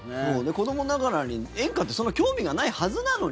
子どもながらに、演歌ってそんな興味がないはずなのに。